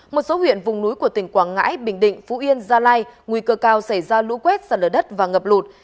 một số huyện vùng núi của tỉnh quảng ngãi bình định phú yên gia lai nguy cơ cao xảy ra lũ quét sạt lở đất và ngập lụt